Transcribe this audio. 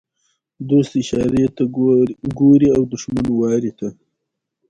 ـ دوست اشارې ته ګوري او دښمن وارې ته.